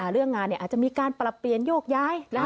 เรื่องงานอาจจะมีการปรับเปลี่ยนโยกย้าย